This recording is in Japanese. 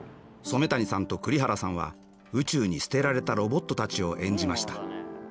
染谷さんと栗原さんは宇宙に捨てられたロボットたちを演じました。